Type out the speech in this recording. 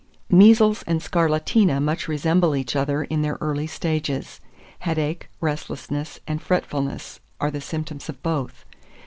2410. Measles and Scarlatina much resemble each other in their early stages: headache, restlessness, and fretfulness are the symptoms of both.